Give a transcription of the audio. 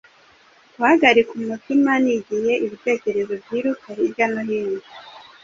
Guhagarika umutima ni igihe ibitekerezo byiruka hirya no hino